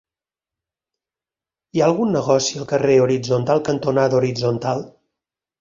Hi ha algun negoci al carrer Horitzontal cantonada Horitzontal?